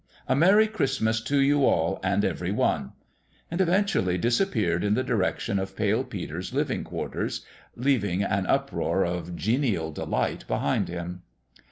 A Merry Christmas to you all and every one !" and eventually dis appeared in the direction of Pale Peter's living quarters, leaving an uproar of genial delight behind him.